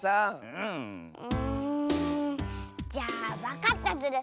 うんじゃあわかったズル。